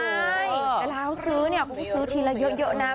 ใช่แต่แล้วซื้อเนี่ยก็ซื้อทีละเยอะนะ